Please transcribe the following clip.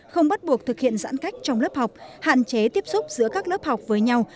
không bắt buộc thực hiện giãn cách trong lớp học hạn chế tiếp xúc giữa các lớp học với nhau